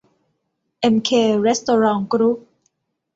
เอ็มเค เรสโตรองต์ กรุ๊ป